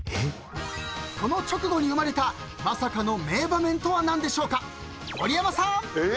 ［この直後に生まれたまさかの名場面とは何でしょうか？］